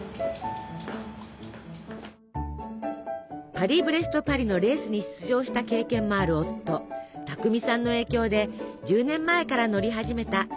「パリ・ブレスト・パリ」のレースに出場した経験もある夫巧さんの影響で１０年前から乗り始めた岩柳さん。